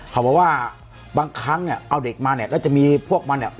เขาบอกว่าบางครั้งเนี่ยเอาเด็กมาเนี่ยก็จะมีพวกมันเนี่ย